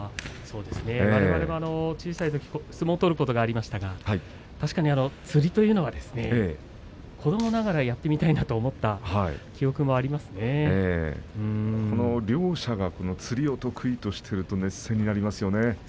われわれ小さいとき相撲を取ることがありましたが確かにつるというのは子どもながらにやってみたいなという記憶があります。両者が、つりを得意としていると熱戦になりますね。